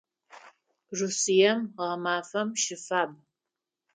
Россием гъэмафэм щыфаб.